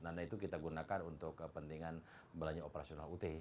dana itu kita gunakan untuk kepentingan belanja operasional ut